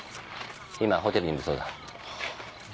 今ホテルにいるそうだ。